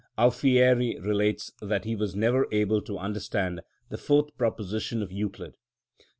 Alfieri relates that he was never able to understand the fourth proposition of Euclid.